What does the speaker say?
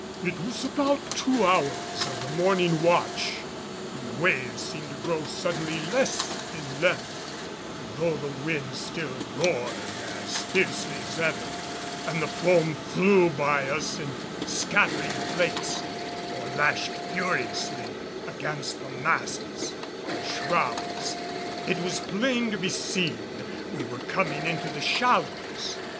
It was about two hours of the morning watch when the waves seemed to grow suddenly less in length; and though the wind still roared as fiercely as ever, and the foam flew by us in scattering flakes or lashed furiously against the masts and shrouds, it was plain to be seen we were coming into the shallows.